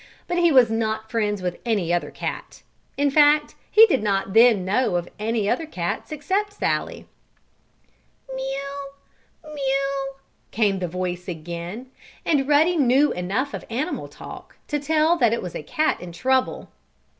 But he was not friends with any other cat. In fact he did not then know any other cats except Sallie. "Mew! Mew!" came the voice again, and Ruddy knew enough of animal talk to tell that it was a cat in trouble.